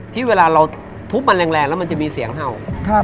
ที่เวลาเราทุบมันแรงแล้วมันจะมีเสียงเห่า